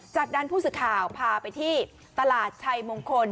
จากนั้นผู้สื่อข่าวพาไปที่ตลาดชัยมงคล